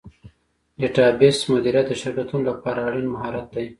ډیټابیس مدیریت د شرکتونو لپاره اړین مهارت دی.